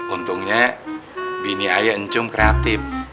untungnya bini ayah encum kreatif